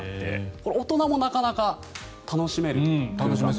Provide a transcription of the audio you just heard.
これ、大人もなかなか楽しめます。